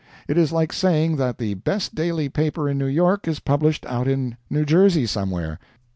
It is like saying that the best daily paper in New York is published out in New Jersey somewhere.